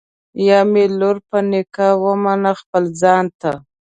یا مي لور په نکاح ومنه خپل ځان ته